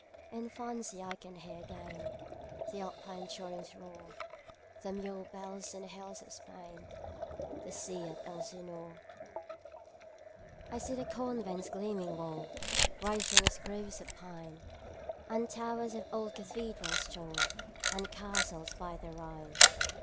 In fancy I can hear again The Alpine torrent's roar, The mule bells on the hills of Spain, 15 The sea at Elsinore. I see the convent's gleaming wall Rise from its groves of pine, And towers of old cathedrals tall, And castles by the Rhine.